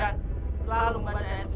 selalu membaca ayat ayat tuhan